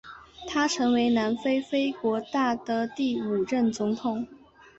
他成为南非非国大的第五任总统。